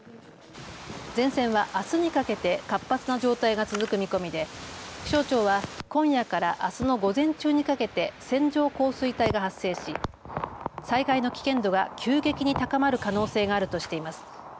前線はあすにかけて活発な状態が続く見込みで、気象庁は今夜からあすの午前中にかけて線状降水帯が発生し災害の危険度が急激に高まる可能性があるとしています。